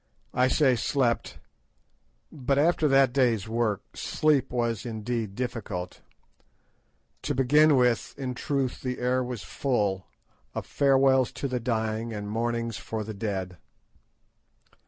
I say slept; but after that day's work, sleep was indeed difficult. To begin with, in very truth the air was full "Of farewells to the dying And mournings for the dead."